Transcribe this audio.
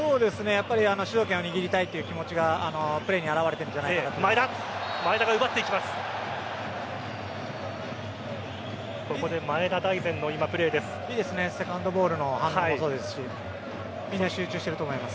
主導権を握りたいという気持ちがプレーに表れているんじゃないかと思います。